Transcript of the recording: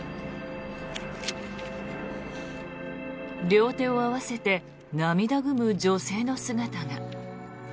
両手を合わせて涙ぐむ女性の姿が。